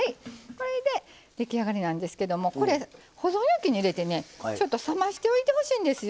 これで出来上がりなんですけどもこれ保存容器に入れてねちょっと冷ましておいてほしいんですよ。